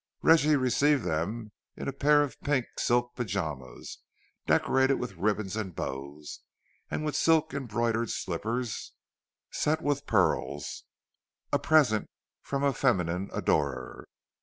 Reggie received them in a pair of pink silk pyjamas, decorated with ribbons and bows, and with silk embroidered slippers, set with pearls—a present from a feminine adorer.